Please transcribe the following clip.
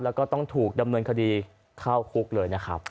แล้วก็ต้องถูกดำเนินคดีเข้าคุกเลยนะครับ